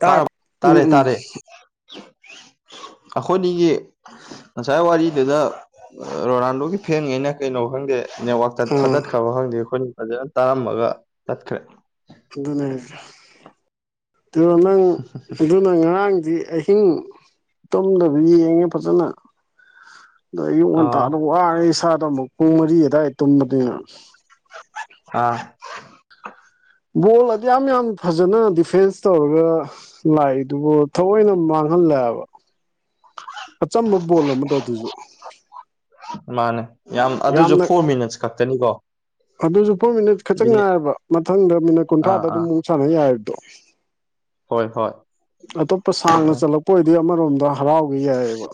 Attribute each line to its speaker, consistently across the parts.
Speaker 1: ꯇꯥꯄ
Speaker 2: ꯇꯥꯔꯕ
Speaker 1: ꯎꯝ
Speaker 2: ꯇꯥꯔꯦ
Speaker 1: ꯎꯝ
Speaker 2: ꯇꯥꯔꯦ ꯑꯩꯈꯣꯏꯅꯤꯒꯤ ꯉꯁꯥꯏ ꯋꯥꯔꯤꯗꯨꯗ ꯔꯣꯅꯥꯜꯗꯣꯒꯤ ꯐꯦꯟꯉꯩꯅ ꯀꯩꯅꯣ ꯈꯪꯗꯦ ꯅꯦꯠꯋꯥꯛ ꯊꯥ
Speaker 1: ꯑꯥ
Speaker 2: ꯗꯥꯠꯈ꯭ꯔꯕ ꯈꯪꯗꯦ ꯑꯩꯈꯣꯏꯅ ꯐꯖꯅ ꯇꯥꯔꯝꯃꯒ ꯇꯠꯈ꯭ꯔꯦ
Speaker 1: ꯑꯗꯨꯅꯦ ꯑꯗꯨ ꯅꯪ ꯑꯗꯨꯅ ꯉꯔꯥꯡꯗꯤ ꯑꯩ ꯍꯤꯡ ꯇꯨꯝꯗꯕꯤ ꯌꯦꯡꯉꯦ ꯐꯖꯅ ꯑꯗꯣ ꯑꯌꯨꯛ
Speaker 2: ꯑꯥ
Speaker 1: ꯉꯟꯇꯥꯗ ꯋꯥꯔꯦ ꯏꯁꯥꯗꯣ ꯑꯃꯨꯛ ꯄꯨꯡ ꯃꯔꯤ ꯑꯗꯨꯋꯥꯏꯗ ꯇꯨꯝꯕꯅꯤꯅ
Speaker 2: ꯍꯥ
Speaker 1: ꯕꯣꯜ ꯑꯗꯨ ꯌꯥꯝ ꯌꯥꯝ ꯐꯖꯅ ꯗꯤꯐꯦꯟꯁ ꯇꯧꯔꯒ ꯂꯥꯛꯏꯗꯨꯕꯨ ꯊꯑꯣꯏꯅ ꯃꯥꯡꯍꯜꯂꯦꯕ ꯑꯆꯝꯕ ꯕꯣꯜ ꯑꯃꯗ ꯑꯗꯨꯖꯨ
Speaker 2: ꯃꯥꯅꯦ ꯌꯥꯝ ꯑꯗꯨꯁꯨ
Speaker 1: ꯌꯥꯝꯅ
Speaker 2: ꯐꯣꯔ ꯃꯤꯅꯠꯁ ꯈꯛꯇꯅꯤꯀꯣ
Speaker 1: ꯑꯗꯨꯁꯨ ꯐꯣꯔ ꯃꯤꯅꯤꯠ ꯈꯇꯪ ꯉꯥꯏꯔꯕ ꯃꯊꯪꯗ ꯃꯤꯅꯠ
Speaker 2: ꯑꯥ
Speaker 1: ꯀꯨꯟꯊ꯭ꯔꯥꯗ ꯑꯗꯨ
Speaker 2: ꯑꯥ
Speaker 1: ꯃꯨꯛ ꯁꯥꯟꯅ ꯌꯥꯏꯕꯗꯣ
Speaker 2: ꯍꯣꯏ ꯍꯣꯏ
Speaker 1: ꯑꯇꯣꯞꯄ ꯁꯥꯡꯅ ꯆꯠꯂꯛꯄ ꯑꯣꯏꯗꯤ ꯑꯃꯔꯣꯝꯗ ꯍꯔꯥꯎꯒꯦ ꯌꯥꯏꯑꯕ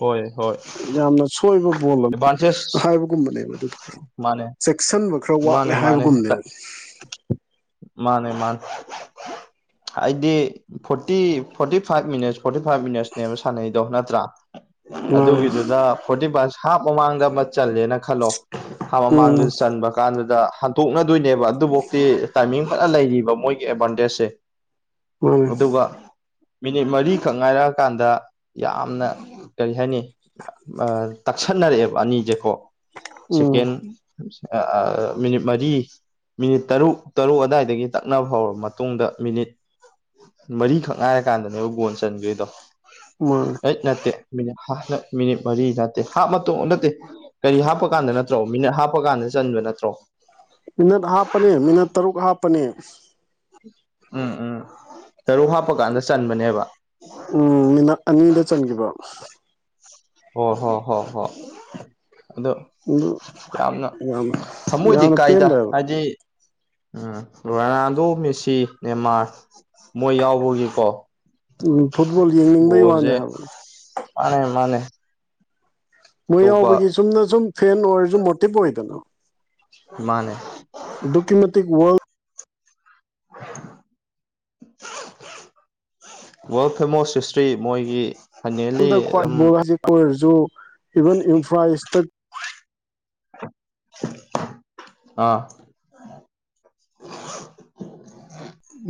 Speaker 2: ꯍꯣꯏ ꯍꯣꯏ
Speaker 1: ꯌꯥꯝꯅ ꯁꯣꯏꯕ ꯕꯣꯜ
Speaker 2: ꯑꯦꯗꯚꯥꯟꯇꯦꯖ
Speaker 1: ꯍꯥꯏꯕꯒꯨꯝꯕꯅꯦꯕ ꯑꯗꯨ
Speaker 2: ꯃꯥꯅꯦ
Speaker 1: ꯆꯦꯛꯁꯤꯟꯕ ꯈꯔ ꯋꯥꯠꯂꯦ
Speaker 2: ꯃꯥꯅꯦ ꯃꯥꯅꯦ
Speaker 1: ꯍꯥꯏꯕꯒꯨꯝꯅꯦꯕ
Speaker 2: ꯃꯥꯅꯦ ꯃꯥꯅꯦ ꯍꯥꯏꯗꯤ forty forty five minutes forty five ꯃꯤꯅꯠꯁꯅꯦꯕ ꯁꯥꯟꯅꯩꯗꯣ ꯅꯠꯇ꯭ꯔꯥ
Speaker 1: ꯃꯥꯅꯦ
Speaker 2: ꯑꯗꯨꯒꯤꯗꯨꯗ ꯐꯣꯔꯇꯤ ꯄꯁ ꯍꯥꯞ ꯃꯃꯥꯡꯗ ꯑꯃ ꯆꯜꯂꯦꯅ ꯈꯜꯂꯣ ꯍꯥꯞ
Speaker 1: ꯎꯝ
Speaker 2: ꯃꯃꯥꯡꯗꯁꯨ ꯆꯟꯕ ꯀꯥꯟꯗꯨꯗ ꯍꯟꯇꯣꯛꯅꯗꯣꯏꯅꯦꯕ ꯑꯗꯨꯐꯥꯎꯇꯤ ꯇꯥꯏꯃꯤꯡ ꯐꯅ ꯂꯩꯔꯤꯕ ꯃꯣꯏꯒꯤ ꯑꯦꯗꯚꯥꯟꯇꯦꯖꯁꯦ
Speaker 1: ꯃꯥꯅꯦ
Speaker 2: ꯑꯗꯨꯒ ꯃꯤꯅꯤꯠ ꯃꯔꯤꯈꯛ ꯉꯥꯏꯔꯛꯑꯀꯥꯟꯗ ꯌꯥꯝꯅ ꯀꯔꯤ ꯍꯥꯏꯅꯤ ꯇꯛꯁꯟꯅꯔꯛꯑꯦꯕ ꯑꯅꯤꯁꯦꯀꯣ
Speaker 1: ꯎꯝ
Speaker 2: ꯁꯦꯀꯦꯟ ꯃꯤꯅꯤꯠ ꯃꯔꯤ ꯃꯤꯅꯤꯠ ꯇꯔꯨꯛ ꯇꯔꯨꯛ ꯑꯗꯥꯏꯗꯒꯤ ꯇꯛꯅꯕ ꯍꯧꯔꯕ ꯃꯇꯨꯡꯗ ꯃꯤꯅꯤꯠ ꯃꯔꯤꯈꯛ ꯉꯥꯏꯔ ꯀꯥꯟꯗꯅꯦꯕ ꯒꯣꯟ ꯆꯟꯈꯦꯗꯣ
Speaker 1: ꯃꯥꯅꯦ
Speaker 2: ꯑꯩꯠ ꯅꯠꯇꯦ ꯃꯤꯅꯤꯠꯞ ꯃꯤꯅꯤꯠ ꯃꯔꯤ ꯅꯠꯇꯦ ꯍꯥꯞ ꯃꯇꯣꯡ ꯅꯠꯇꯦ ꯀꯔꯤ ꯍꯥꯞꯄꯀꯥꯟꯗ ꯅꯠꯇ꯭ꯔꯣ ꯃꯤꯅꯠ ꯍꯥꯞꯄꯀꯥꯟꯗ ꯆꯟꯕ ꯅꯠꯇ꯭ꯔꯣ
Speaker 1: ꯃꯤꯅꯠ ꯍꯥꯞꯄꯅꯦ ꯃꯤꯅꯠ ꯇꯔꯨꯛ ꯍꯥꯞꯄꯅꯦ
Speaker 2: ꯎꯝ ꯎꯝ ꯇꯔꯨꯛ ꯍꯥꯞꯄ ꯀꯥꯟꯗ ꯆꯟꯕꯅꯦꯕ
Speaker 1: ꯎꯝ ꯃꯤꯅꯠ ꯑꯅꯤꯗ ꯆꯟꯈꯤꯕ
Speaker 2: ꯑꯣ ꯍꯣꯏ ꯍꯣꯏ ꯍꯣꯏ ꯑꯗꯣ
Speaker 1: ꯑꯗꯨ
Speaker 2: ꯌꯥꯝꯅ
Speaker 1: ꯌꯥꯝ
Speaker 2: ꯊꯝꯃꯣꯏꯗꯤ
Speaker 1: ꯌꯥꯝꯅ
Speaker 2: ꯀꯥꯏꯗ
Speaker 1: ꯄꯦꯟꯗꯦ ꯍꯥꯏꯕ
Speaker 2: ꯍꯥꯏꯗꯤ ꯎꯝ ꯔꯣꯅꯥꯜꯗꯣ ꯃꯦꯁꯤ ꯅꯦꯃꯥꯔ ꯃꯣꯏ ꯌꯥꯎꯕꯒꯤꯀꯣ
Speaker 1: ꯎꯝ ꯐꯨꯠꯕꯣꯜ ꯌꯦꯡꯅꯤꯡꯕꯩ ꯋꯥꯅꯦ
Speaker 2: ꯕꯣꯜꯁꯦ
Speaker 1: ꯍꯥꯏꯕꯣ
Speaker 2: ꯃꯥꯅꯦ ꯃꯥꯅꯦ
Speaker 1: ꯃꯣꯏ
Speaker 2: ꯑꯇꯣꯞꯄ
Speaker 1: ꯌꯥꯎꯕꯒꯤ ꯆꯨꯝꯅ ꯁꯨꯝ ꯐꯦꯟ ꯑꯣꯏꯔꯁꯨ ꯃꯣꯇꯤꯚ ꯑꯣꯏꯗꯅ
Speaker 2: ꯃꯥꯅꯦ
Speaker 1: ꯑ
Speaker 2: ꯋꯥꯔꯜ ꯐꯦꯃꯣꯁ ꯍꯤꯁꯇ꯭ꯔꯤ ꯃꯣꯏꯒꯤ ꯐꯥꯏꯅꯦꯜꯂꯤ ꯑꯗꯨꯝ
Speaker 1: ꯭ꯋꯥꯏ ꯕꯖꯤꯛ ꯀ ꯑꯣꯏꯔꯁꯨ ꯏꯚꯟ ꯏꯟꯐ꯭ꯔꯥꯇꯛ
Speaker 2: ꯑꯥ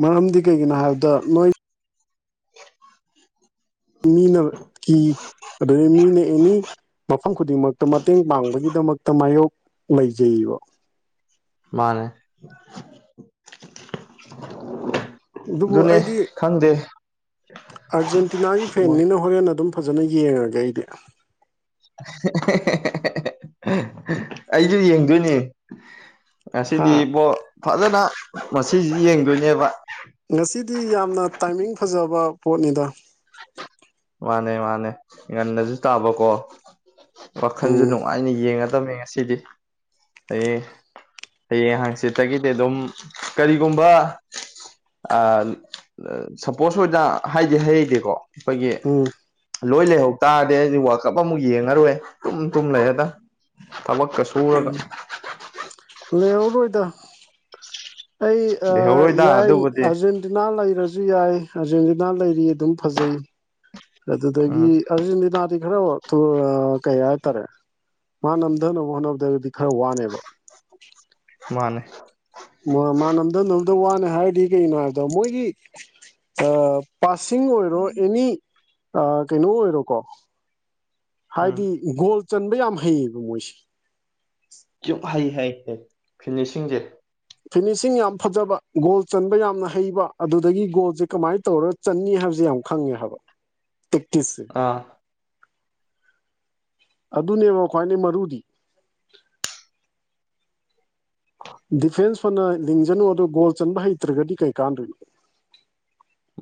Speaker 1: ꯃꯔꯝꯗꯤ ꯀꯩꯒꯤꯅꯣ ꯍꯥꯏꯕꯗ ꯅꯣꯏ ꯃꯤꯅ ꯔꯦꯃꯤꯅ ꯑꯦꯅꯤ ꯃꯐꯝ ꯈꯨꯗꯤꯡꯃꯛꯇ ꯃꯇꯦꯡ ꯄꯥꯡꯕꯒꯤꯗꯃꯛꯇ ꯃꯥꯌꯣꯛ ꯂꯩꯖꯩꯌꯦꯕ
Speaker 2: ꯃꯥꯅꯦ
Speaker 1: ꯑꯗꯨꯕꯨ
Speaker 2: ꯑꯗꯨꯨꯅꯦ
Speaker 1: ꯑꯩꯗꯤ
Speaker 2: ꯍꯪꯗꯦ
Speaker 1: ꯑꯥꯔꯖꯦꯟꯇꯤꯅꯥꯒꯤ ꯐꯦꯟꯅꯤꯅ ꯍꯣꯔꯦꯟ ꯑꯗꯨꯝ ꯐꯖꯅ ꯌꯦꯡꯉꯒꯦ ꯑꯩꯗꯤ
Speaker 2: ꯑꯩꯁꯨ ꯌꯦꯡꯗꯣꯏꯅꯦ
Speaker 1: ꯍꯥ
Speaker 2: ꯉꯁꯤꯗꯤꯣ ꯐꯖꯅ ꯃꯁꯤꯁꯤ ꯌꯦꯡꯗꯣꯏꯅꯦꯕ
Speaker 1: ꯉꯁꯤꯗꯤ ꯌꯥꯝꯅ ꯇꯥꯏꯃꯤꯡ ꯐꯖꯕ ꯄꯣꯠꯅꯤꯗ
Speaker 2: ꯃꯥꯅꯦ ꯃꯥꯅꯦ ꯉꯟꯅꯁꯨ ꯇꯥꯕꯀꯣ ꯋꯥꯈꯜꯁꯨ
Speaker 1: ꯎꯝ
Speaker 2: ꯅꯨꯡꯉꯥꯏꯅ ꯌꯦꯡꯉ ꯆꯃꯤ ꯉꯁꯤꯗꯤ ꯑꯦ ꯍꯌꯦꯡ ꯍꯥꯡꯆꯤꯠꯇꯒꯤꯗꯤ ꯑꯗꯨꯝ ꯀꯔꯤꯒꯨꯝꯕ ꯁꯄꯣꯁ ꯑꯣꯖꯥ ꯍꯥꯏꯗꯤ ꯍꯔꯩꯗꯤꯀꯣ ꯑꯩꯈꯣꯏꯒꯤ
Speaker 1: ꯎꯝ
Speaker 2: ꯂꯣꯏ ꯂꯩꯍꯧ ꯇꯥꯔꯗꯤ ꯑꯩ ꯋꯥꯜꯀꯞ ꯑꯃꯨꯛ ꯌꯦꯡꯉꯔꯨꯔꯦ ꯇꯨꯝ ꯇꯨꯝ ꯂꯩꯔꯦꯗꯪ ꯊꯕꯀ ꯁꯨꯔꯒ
Speaker 1: ꯂꯩꯍꯧꯔꯣꯏꯗ ꯑꯩ
Speaker 2: ꯂꯩꯍꯧꯔꯣꯏꯗ
Speaker 1: ꯌꯥꯏ ꯑꯖꯤꯦꯟ
Speaker 2: ꯑꯗꯨꯕꯨꯗꯤ
Speaker 1: ꯑꯔꯖꯦꯟꯇꯤꯅꯥ ꯂꯩꯔꯁꯨ ꯌꯥꯏ ꯑꯥꯔꯖꯦꯟꯇꯤꯅꯥ ꯂꯩꯔꯤ ꯑꯗꯨꯝ ꯐꯖꯩ ꯑꯗꯨꯗꯒꯤ
Speaker 2: ꯎꯝ
Speaker 1: ꯑꯔꯖꯦꯟꯇꯤꯅꯥꯗꯤ ꯈꯔ ꯀꯩ ꯍꯥꯏꯇꯥꯔꯦ ꯃꯥ ꯅꯝꯊꯅꯕ ꯍꯣꯠꯅꯕꯗꯒꯗꯤ ꯈꯔ ꯋꯥꯅꯦꯕ
Speaker 2: ꯃꯥꯟꯅꯦ
Speaker 1: ꯃꯥꯅꯝꯗꯅꯕꯗ ꯋꯥꯅꯦ ꯍꯥꯏꯔꯗꯤ ꯀꯩꯒꯤꯅꯣ ꯍꯥꯏꯕꯗꯣ ꯃꯣꯏꯒꯤ ꯄꯥꯁꯤꯡ ꯑꯣꯏꯔꯣ ꯑꯦꯅꯤ ꯀꯩꯅꯣ ꯑꯣꯏꯔꯣꯀꯣ
Speaker 2: ꯎꯝ
Speaker 1: ꯍꯥꯏꯗꯤ ꯒꯣꯜ ꯆꯟꯕ ꯌꯥꯝ ꯍꯩꯌꯦꯕ ꯃꯣꯏꯁꯦ
Speaker 2: ꯍꯩ ꯍꯩ ꯍꯩ ꯐꯤꯅꯤꯁꯤꯡꯁꯦ
Speaker 1: ꯐꯤꯅꯤꯁꯤꯡ ꯌꯥꯝꯅ ꯐꯖꯕ ꯒꯣꯜ ꯆꯟꯕ ꯌꯥꯝꯅ ꯍꯩꯕ ꯑꯗꯨꯗꯒꯤ ꯒꯣꯜꯁꯦ ꯀꯃꯥꯏꯅ ꯇꯧꯔ ꯆꯟꯅꯤ ꯍꯥꯏꯕꯁꯦ ꯌꯥꯝ ꯈꯪꯉꯦ ꯍꯥꯏꯕ ꯄꯦꯛꯇꯤꯁꯁꯦ
Speaker 2: ꯑꯥ
Speaker 1: ꯑꯗꯨꯅꯦꯕ ꯈ꯭ꯋꯥꯏꯅꯦ ꯃꯔꯨꯗꯤ ꯗꯤꯐꯦꯟꯁ ꯐꯅ ꯂꯤꯡꯖꯅꯨ ꯑꯗꯣ ꯒꯣꯜ ꯆꯟꯕ ꯍꯩꯇ꯭ꯔꯒꯗꯤ ꯀꯩ ꯀꯥꯟꯅꯗꯣꯏꯅꯣ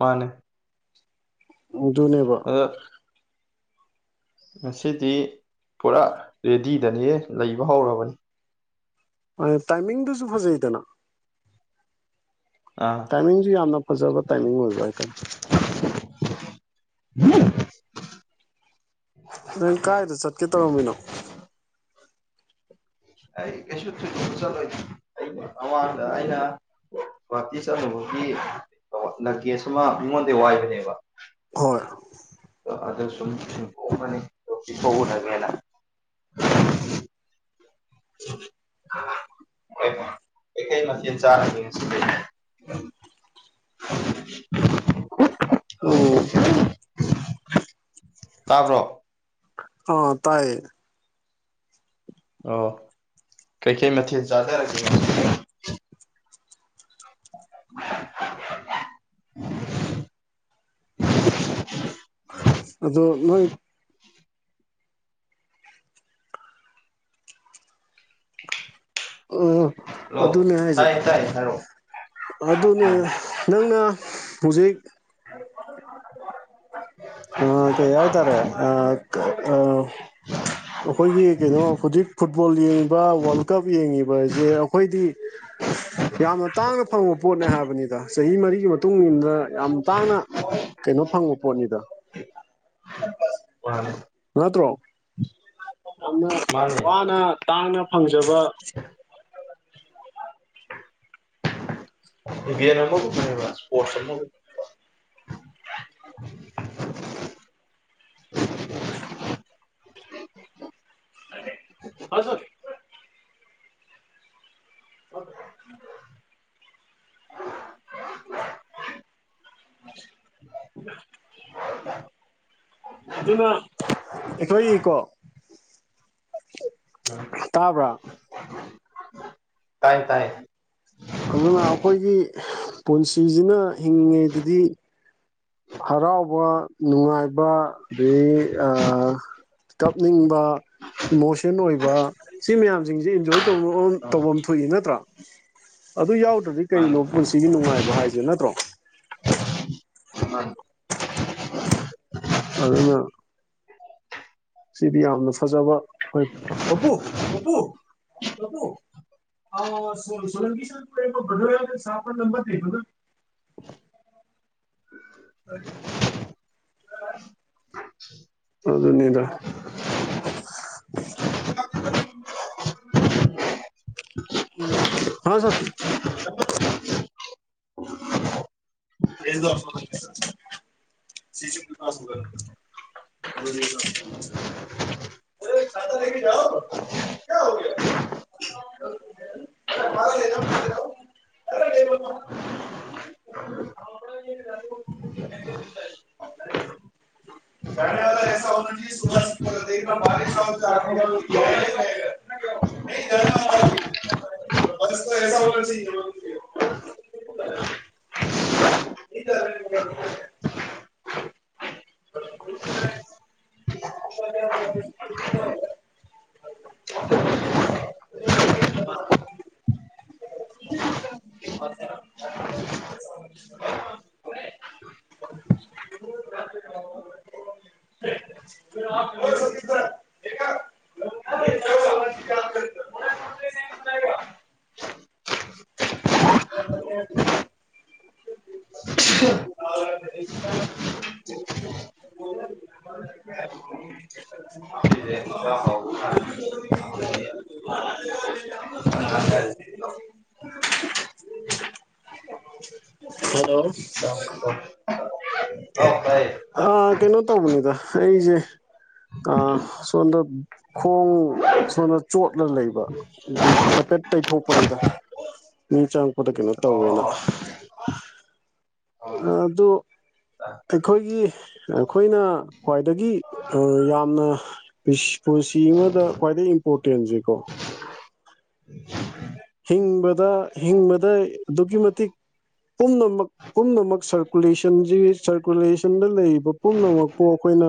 Speaker 2: ꯃꯥꯟꯅꯦ
Speaker 1: ꯑꯗꯨꯅꯦꯕ
Speaker 2: [unintelligible] ꯉꯁꯤꯗꯤ ꯄꯨꯔꯥ ꯔꯦꯗꯤꯗꯅꯦ ꯂꯩꯕ ꯍꯧꯔꯕꯅꯤ
Speaker 1: ꯇꯥꯏꯃꯤꯡꯗꯨꯁꯨ ꯐꯖꯩꯗꯅ
Speaker 2: ꯑꯥ
Speaker 1: ꯇꯥꯏꯃꯤꯡꯁꯨ ꯌꯥꯝꯅ ꯐꯖꯕ ꯇꯥꯏꯃꯤꯡ ꯑꯣꯏꯕ ꯍꯥꯏꯇꯥꯔꯦ ꯅꯪ ꯀꯥꯏꯗ ꯆꯠꯀꯦ ꯇꯧꯔꯝꯃꯤꯅꯣ
Speaker 2: ꯑꯩ ꯀꯩꯁꯨ ꯊꯣꯏꯗꯣꯛꯄ ꯆꯠꯂꯣꯏꯗ ꯑꯋꯥꯗ ꯑꯩꯅ ꯒꯋꯥꯍꯥꯇꯤ ꯆꯠꯂꯨꯕꯒꯤ ꯂꯛꯒꯦꯖ ꯑꯃ ꯃꯤꯉꯣꯟꯗ ꯋꯥꯏꯕꯅꯦꯕ
Speaker 1: ꯍꯣꯏ
Speaker 2: [unintelligible]
Speaker 1: [inaudible]
Speaker 2: ꯀꯩ ꯀꯩ ꯃꯊꯦꯜ ꯆꯥꯔꯒꯦ ꯉꯁꯤꯗꯤ
Speaker 1: ꯎꯝ
Speaker 2: ꯇꯥꯕꯔꯣ
Speaker 1: ꯑ ꯇꯥꯏꯌꯦ
Speaker 2: ꯑꯣ ꯀꯩꯀꯩ ꯃꯊꯦꯜꯠ ꯆꯥꯊꯔꯒꯦ
Speaker 1: [inaudible] ꯑꯗꯨ ꯅꯣꯏ
Speaker 2: ꯍꯜꯂꯣ
Speaker 1: ꯑꯗꯨꯅꯦ ꯍꯥꯏꯁꯦ
Speaker 2: ꯇꯥꯏꯌꯦ ꯇꯥꯏꯌꯦ ꯍꯥꯏꯔꯣ
Speaker 1: ꯑꯗꯨꯅꯦ ꯅꯪꯅ ꯍꯧꯖꯤꯛ ꯑ ꯀꯩ ꯍꯥꯏ ꯇꯥꯔꯦ ꯑ ꯑ
Speaker 2: [inaudible]
Speaker 1: ꯑꯩꯈꯣꯏꯒꯤ ꯀꯩꯅꯣ ꯍꯧꯖꯤꯛ ꯐꯨꯠꯕꯣꯜ ꯌꯦꯡꯉꯤꯕ ꯋꯥꯔꯜꯀꯞ ꯌꯦꯡꯉꯤꯕ ꯍꯥꯏꯁꯦ ꯑꯩꯈꯣꯏꯗꯤ ꯌꯥꯝꯅ ꯇꯥꯡꯅ ꯐꯪꯕ ꯄꯣꯠꯅꯦ ꯍꯥꯏꯕꯅꯤꯗ ꯆꯍꯤ ꯃꯔꯤꯒꯤ ꯃꯇꯨꯡ ꯏꯗ ꯌꯥꯝ ꯇꯥꯡꯅ ꯀꯩꯅꯣ ꯐꯪꯕ ꯄꯣꯠꯅꯤꯗ
Speaker 2: ꯃꯥꯅꯦ
Speaker 1: ꯅꯠꯇ꯭ꯔꯣ ꯌꯥꯝꯅ
Speaker 2: ꯃꯥꯅꯦ
Speaker 1: ꯋꯥꯅ ꯇꯥꯡꯅ ꯐꯪꯖꯕ
Speaker 2: ꯏꯚꯦꯟ ꯑꯃꯒꯨꯝꯕꯅꯦꯕ ꯁꯄꯣꯔꯁ ꯑꯃꯒꯨꯝ
Speaker 1: ꯍꯥ ꯁꯔ ꯍꯥ ꯁꯔ [unintelligible] ꯑꯗꯨꯅ ꯑꯩꯈꯣꯏꯒꯤꯀꯣ ꯇꯥꯕ꯭ꯔꯥ
Speaker 2: ꯇꯥꯏ ꯇꯥꯏ
Speaker 1: ꯑꯗꯨꯅ ꯑꯩꯈꯣꯏꯒꯤ ꯄꯨꯟꯁꯤꯁꯤꯅ ꯍꯤꯡꯉꯤꯉꯩꯗꯗꯤ ꯍꯔꯥꯎꯕ ꯅꯨꯡꯉꯥꯏꯕ ꯑꯗꯒꯤ ꯑꯥ ꯀꯞꯅꯤꯡꯕ ꯏꯃꯣꯁꯟ ꯑꯣꯏꯕ ꯁꯤ ꯃꯌꯥꯝꯁꯤꯡꯁꯦ ꯑꯦꯟꯖꯣꯏ ꯇꯧꯕ ꯇꯧꯐꯝ
Speaker 2: ꯃꯥꯅꯦ
Speaker 1: ꯊꯣꯛꯏ ꯅꯠꯇ꯭ꯔꯥ ꯑꯗꯨ ꯌꯥꯎꯗ꯭ꯔꯗꯤ ꯀꯩꯅꯣ ꯄꯨꯟꯁꯤꯒꯤ ꯅꯨꯡꯉꯥꯏꯕ ꯍꯥꯏꯁꯦ ꯅꯠꯇ꯭ꯔꯣ
Speaker 2: ꯎꯝ
Speaker 1: ꯑꯗꯨꯅ ꯁꯤꯗꯤ ꯌꯥꯝꯅ ꯐꯖꯕ ꯍꯣꯏ ꯄꯄꯨ ꯄꯄꯨ ꯄꯄꯨ ꯑꯥ ꯁꯣꯂꯔꯒꯤ [unintelligible] ꯁꯥꯕ ꯅꯝꯕꯔ ꯂꯩ ꯍ [unintelligible] ꯑꯗꯨꯅꯤꯗ ꯍꯥꯎ ꯁꯔ [unintelligible] ꯑꯗꯨꯗꯤ ꯏꯇꯥꯎ ꯑꯣ ꯁꯥꯇ ꯂꯩ [unintelligible] ꯀꯌꯥ ꯍꯧꯒꯌ [unintelligible]
Speaker 2: [inaudible]
Speaker 1: [unintelligible] [unintelligible] ꯏ [unintelligible] [inaudible]
Speaker 2: [unintelligible]
Speaker 1: [unintelligible] [unintelligible] [unintelligible] ꯎ [unintelligible]
Speaker 2: [unintelligible]
Speaker 1: [unintelligible] [unintelligible] [unintelligible] ꯍꯜꯂꯣ
Speaker 2: [unintelligible]
Speaker 1: ꯑꯥ ꯀꯩꯅꯣ ꯇꯧꯕꯅꯤꯗ ꯑꯩꯁꯦ ꯑ ꯁꯣꯝꯗ ꯈꯣꯡ ꯁꯣꯝꯗ ꯆꯣꯠꯂ ꯂꯩꯕ ꯑꯗꯨ ꯍꯥꯏꯐꯦꯠ ꯇꯩꯊꯣꯛꯄꯅꯤꯗ ꯃꯤ ꯆꯪꯉꯛꯄꯗ ꯀꯩꯅꯣ ꯇꯧꯋꯦꯅ ꯑ ꯑꯗꯣ ꯑꯩꯈꯣꯏꯒꯤ ꯑꯩꯈꯣꯏꯅ ꯈ꯭ꯋꯥꯏꯗꯒꯤ ꯑ ꯌꯥꯝꯅ ꯄꯨꯟꯁꯤ ꯑꯃꯗ ꯈ꯭ꯋꯥꯏꯗꯒꯤ ꯏꯝꯄꯣꯔꯇꯦꯟꯁꯦ ꯀꯣ ꯍꯤꯡꯕꯗ ꯍꯤꯡꯕꯗ ꯑꯗꯨꯛꯀꯤ ꯃꯇꯤꯛ ꯄꯨꯝꯅꯃꯛ ꯄꯨꯝꯅꯃꯛ ꯁꯔꯀꯨꯂꯦꯁꯟꯁꯤ ꯁꯔꯀꯨꯂꯦꯁꯟꯗ ꯂꯩꯔꯤꯕ ꯄꯨꯝꯅꯃꯛꯄꯨ ꯑꯩꯈꯣꯏꯅ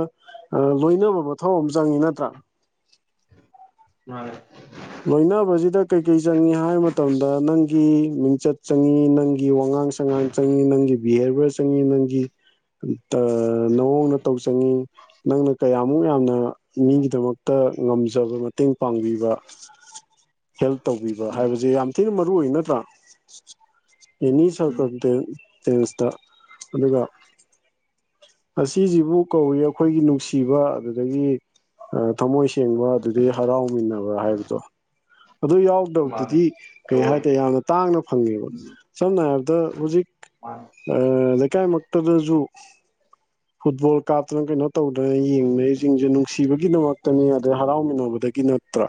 Speaker 1: ꯂꯣꯏꯅꯕ ꯃꯊꯧ ꯑꯃ ꯆꯪꯏ ꯅꯠꯇ꯭ꯔꯥ
Speaker 2: ꯃꯥꯅꯤ
Speaker 1: ꯂꯣꯏꯅꯕꯁꯤꯗ ꯀꯩ ꯀꯩ ꯆꯪꯏ ꯍꯥꯏ ꯃꯇꯝꯗ ꯅꯪꯒꯤ ꯃꯤꯡꯆꯠ ꯆꯪꯉꯤ ꯅꯪꯒꯤ ꯋꯥꯉꯥꯡ ꯁꯉꯥꯡ ꯆꯪꯉꯤ ꯅꯪꯒꯤ ꯕꯤꯍꯦꯕꯤꯌꯔ ꯆꯪꯉꯤ ꯅꯪꯒꯤ ꯅꯑꯣꯡ ꯅꯇꯧ ꯆꯪꯉꯤ ꯅꯪꯅ ꯀꯌꯥꯃꯨꯛ ꯌꯥꯝꯅ ꯃꯤꯒꯤꯗꯃꯛꯇ ꯉꯝꯖꯕ ꯃꯇꯦꯡ ꯄꯥꯡꯕꯤꯕ ꯍꯦꯜꯞ ꯇꯧꯕꯤꯕ ꯍꯥꯏꯕꯁꯦ ꯌꯥꯝ ꯊꯤꯅ ꯃꯔꯨꯑꯣꯏ ꯅꯠꯇ꯭ꯔꯥ ꯑꯦꯅꯤ
Speaker 2: ꯎꯝ
Speaker 1: ꯁꯔꯀꯝꯇꯦꯟꯁꯇ ꯑꯗꯨꯒ ꯑꯁꯤꯁꯤꯕꯨ ꯀꯧꯏ ꯑꯩꯈꯣꯏꯒꯤ ꯅꯨꯡꯁꯤꯕ ꯑꯗꯒꯤ ꯊꯃꯣꯏ ꯁꯦꯡꯕ ꯑꯗꯨꯗꯩꯩ ꯍꯔꯥꯎꯃꯤꯟꯅꯕ ꯍꯥꯏꯕꯗꯣ ꯑꯗꯨ ꯌꯥꯎ
Speaker 2: ꯃꯥꯅꯦ
Speaker 1: ꯇꯗꯨꯗꯤ ꯀꯩ
Speaker 2: ꯖꯣꯏ
Speaker 1: ꯍꯥꯏꯇꯥꯔꯦ ꯌꯥꯝꯅ ꯇꯥꯡꯅ ꯐꯪꯉꯦꯕ ꯁꯝꯅ ꯍꯥꯏꯔꯕꯗ ꯍꯧꯖꯤꯛ
Speaker 2: ꯃꯥꯅꯦ
Speaker 1: ꯑ ꯂꯩꯀꯥꯏ ꯃꯛ ꯇꯗꯁꯨ ꯐꯨꯠꯕꯣꯜ ꯀꯥꯞꯇꯅ ꯀꯩꯅꯣ ꯇꯧꯗꯅ ꯌꯦꯡꯅꯩꯁꯤꯡꯁꯦ ꯅꯨꯡꯁꯤꯕꯒꯤꯗꯃꯛꯇꯅꯤ ꯑꯗꯩ ꯍꯔꯥꯎꯃꯤꯟꯅꯕꯗꯒꯤꯅ ꯅꯠꯇ꯭ꯔꯥ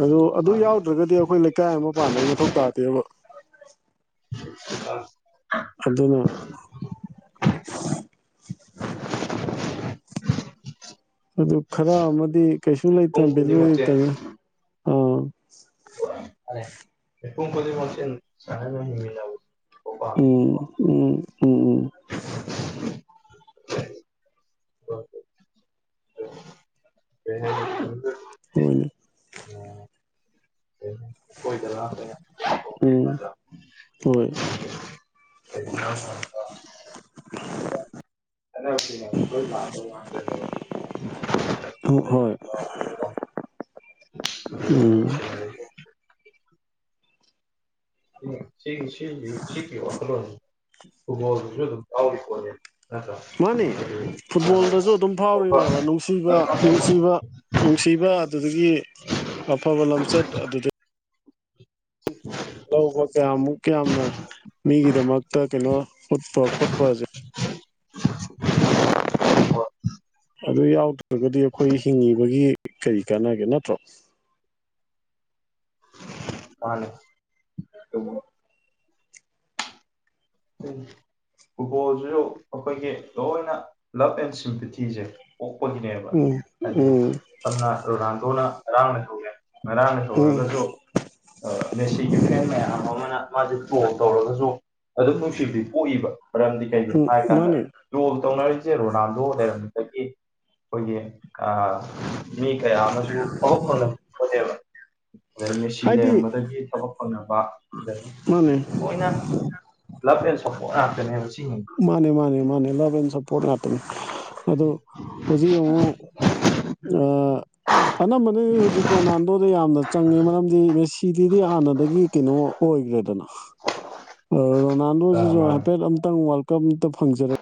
Speaker 1: ꯑ ꯑꯗꯨ
Speaker 2: ꯃꯥꯅꯦ
Speaker 1: ꯌꯥꯎꯗ꯭ꯔꯒꯗꯤ ꯑꯩꯈꯣꯏ ꯂꯩꯀꯥꯏ ꯑꯃ ꯄꯥꯟꯕꯩ ꯃꯊꯧ ꯇꯥꯗꯦꯕ
Speaker 2: ꯑ [unintelligible]
Speaker 1: ꯑꯗꯨꯅ ꯑꯗꯨ ꯈꯔ ꯑꯃꯗꯤ ꯀꯩꯁꯨ
Speaker 2: ꯄꯨꯡ
Speaker 1: ꯂꯩꯇꯅ ꯚꯦꯂꯨ
Speaker 2: ꯈꯨꯗꯤꯡꯃꯛꯁꯦ
Speaker 1: ꯂꯩꯇꯅ ꯑꯥ
Speaker 2: ꯃꯥꯅꯦ [unintelligible]
Speaker 1: ꯎꯝ ꯎꯝ ꯎꯝ
Speaker 2: [unintelligible] [unintelligible]
Speaker 1: ꯍꯣꯏ ꯅꯦ ꯎꯝ ꯍꯣꯏ
Speaker 2: ꯋꯥꯗꯣ ꯃꯥ
Speaker 1: ꯍꯣꯏ ꯎꯝ
Speaker 2: ꯁꯤꯒꯤ ꯁꯤꯒꯤ ꯁꯤꯒꯤ ꯋꯥꯈꯜꯂꯣꯟꯅꯤ ꯈꯨꯨꯃꯣꯜꯗꯨꯁꯨ ꯑꯗꯨꯝ ꯌꯥꯎꯔꯤꯀꯣꯠꯅꯦ ꯅꯠꯇ
Speaker 1: ꯃꯥꯅꯦ ꯐꯨꯠꯕꯣꯜꯗꯁꯨ ꯑꯗꯨꯝ ꯐꯥꯎꯔꯤꯅꯦꯕ ꯅꯨꯡꯁꯤꯕ ꯅꯨꯡꯁꯤꯕ ꯅꯨꯡꯁꯤꯕ ꯑꯗꯨꯗꯒꯤ ꯑꯐꯕ ꯂꯝꯆꯠ ꯑꯗꯨꯗ ꯂꯧꯕ ꯀꯌꯥꯃꯨꯛ ꯌꯥꯝꯅ ꯃꯤꯒꯤꯗꯃꯛꯇ ꯀꯩꯅꯣ ꯎꯠꯄ ꯈꯣꯠꯄꯁꯦ ꯑꯗꯨ ꯌꯥꯎꯗ꯭ꯔꯒꯗꯤ ꯑꯩꯈꯣꯏ ꯍꯤꯡꯉꯤꯕꯒꯤ ꯀꯔꯤ ꯀꯥꯟꯅꯒꯦ ꯅꯠꯇ꯭ꯔꯣ
Speaker 2: ꯃꯥꯅꯦ
Speaker 1: [unintelligible]
Speaker 2: [unintelligible] ꯐꯨꯠꯕꯣꯜꯁꯤꯁꯨ ꯑꯩꯈꯣꯏꯒꯤ ꯂꯣꯏꯅ ꯂꯥꯠ ꯑꯦꯟ ꯁꯤꯝꯄꯇꯤꯁꯦ ꯄꯣꯛꯄꯒꯤꯅꯦꯕ
Speaker 1: ꯎꯝ
Speaker 2: ꯍꯥꯏꯗꯤ
Speaker 1: ꯎꯝ
Speaker 2: ꯁꯝꯅ ꯍꯥꯟꯗꯣꯛꯅ ꯉꯔꯥꯡꯅ ꯁꯧꯉꯦ ꯉꯔꯥꯡꯅ
Speaker 1: ꯎꯝ
Speaker 2: ꯁꯧꯔꯒꯁꯨ ꯃꯦꯁꯤꯒꯤ ꯐꯦꯟ ꯃꯌꯥꯝ ꯑꯃ ꯑꯃꯅ ꯃꯥꯁꯦ ꯇꯣꯜ ꯇꯧꯔꯒꯁꯨ ꯑꯗꯨꯝ ꯅꯨꯡꯁꯤꯗꯤ ꯄꯣꯛꯏꯕ ꯃꯔꯝꯗꯤ ꯀꯩꯒꯤꯅꯣ
Speaker 1: ꯎꯝ
Speaker 2: ꯍꯥꯏꯔꯀꯥꯟꯗ
Speaker 1: ꯃꯥꯅꯦ
Speaker 2: ꯌꯣꯜ ꯇꯧꯅꯔꯤꯁꯤ ꯁꯦ ꯔꯣꯅꯥꯜꯗꯣ ꯂꯩꯔꯝꯝꯕꯗꯒꯤ ꯑꯩꯈꯣꯏꯒꯤ ꯃꯤ ꯀꯌꯥ ꯑꯃꯁꯨ ꯑꯕꯛ ꯐꯅꯅꯦꯦꯕ ꯑꯗꯩ ꯃꯦꯁꯤ
Speaker 1: ꯍꯥꯏꯗꯤ
Speaker 2: ꯂꯩꯔꯝꯕꯗꯒꯤ ꯊꯕꯛ ꯐꯪꯅꯕꯅꯤ
Speaker 1: ꯃꯥꯅꯦ
Speaker 2: ꯂꯣꯏꯅ ꯂꯞ ꯑꯦꯟ ꯁꯞꯄꯣꯔꯠ ꯉꯥꯛꯇꯅꯦ ꯍꯥꯏꯕ ꯁꯤ
Speaker 1: ꯃꯥꯅꯦ ꯃꯥꯅꯦ ꯃꯥꯅꯦ ꯂꯕꯅꯦ ꯁꯞꯄꯣꯔꯠ ꯂꯥꯛꯄꯅꯤ ꯑꯗꯣ ꯍꯧꯖꯤꯛ ꯑꯃꯡꯉꯛ ꯑꯅꯝꯕꯅ ꯍꯧꯖꯤꯛ ꯔꯣꯅꯥꯜꯗꯣꯗ ꯌꯥꯝꯅ ꯆꯪꯉꯦ ꯃꯔꯝꯗꯤ ꯁꯤꯗꯤꯗꯤ ꯍꯥꯟꯅꯗꯒꯤ ꯀꯩꯅꯣ ꯑꯣꯏꯈ꯭ꯔꯦꯗꯅ ꯔꯣꯅꯥꯜꯗꯣꯁꯤꯁꯨ
Speaker 2: ꯃꯥꯅ
Speaker 1: ꯍꯥꯏꯐꯦꯠ ꯑꯝꯇꯪ ꯋꯥꯔꯜ ꯀꯞ ꯑꯝꯇ ꯐꯪꯖꯔꯛꯒꯦ